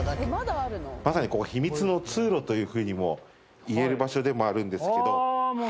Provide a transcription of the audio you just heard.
まさにここ秘密の通路というふうにも言える場所でもあるんですけど。